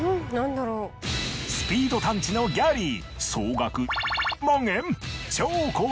スピード探知のギャリー。